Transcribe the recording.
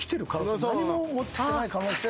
何も持ってきてない可能性も。